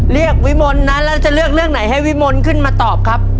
แล้วเราจะเลือกเรื่องไหนให้วิมนต์ขึ้นมาตอบครับ